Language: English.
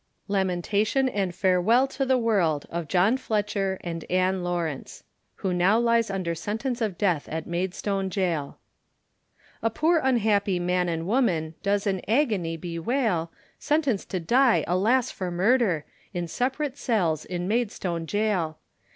LAMENTATION & FAREWELL TO THE WORLD OF JOHN FLETCHER AND ANN LAWRENCE Who now lies under Sentence of Death at Maidstone Gaol. A poor unhappy man and woman, Does in agony bewail, Sentenced to die, alas for murder! In separate cells, in Maidstone gaol.